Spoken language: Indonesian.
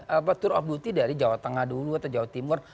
apa tour of duty dari jawa tengah dulu atau jawa timur